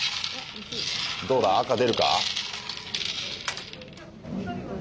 どうだ赤出るか？